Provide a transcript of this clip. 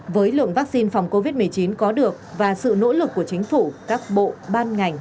với lượng vaccine phòng covid một mươi chín có được và sự nỗ lực của chính phủ các bộ ban ngành